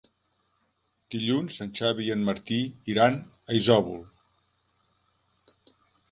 Dilluns en Xavi i en Martí iran a Isòvol.